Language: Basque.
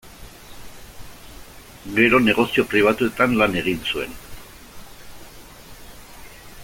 Gero, negozio pribatuetan lan egin zuen.